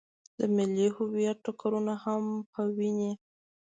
د ملي هویت ټکرونه هم په ويني.